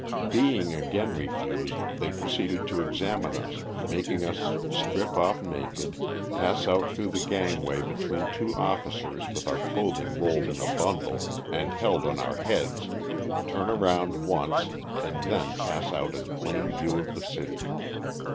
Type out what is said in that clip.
Being again refused, they proceeded to examine us, making us strip off naked, pass out through the gangway be tween two oflBcers with our clothing rolled in a bundle and held on our heads, turn once around and then pass out in plain view of the city.